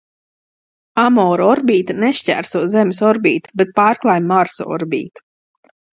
Amora orbīta nešķērso Zemes orbītu, bet pārklāj Marsa orbītu.